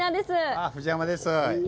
ああ藤山です。